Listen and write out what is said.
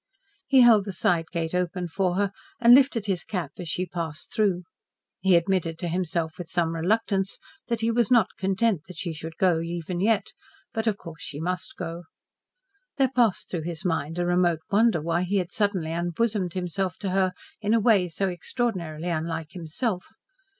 He held the side gate open for her and lifted his cap as she passed through. He admitted to himself, with some reluctance, that he was not content that she should go even yet, but, of course, she must go. There passed through his mind a remote wonder why he had suddenly unbosomed himself to her in a way so extraordinarily unlike himself.